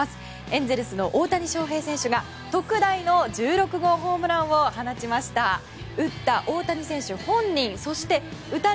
エンゼルスの大谷翔平選手が特大の１６号ホームランを放ちました。